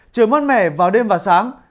trời mất mẻ vào đêm và sáng